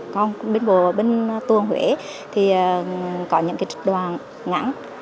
còn bên tuôn huế thì có những trực đoàn ngắn